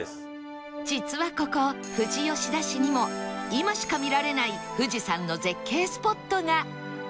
実はここ富士吉田市にも今しか見られない富士山の絶景スポットが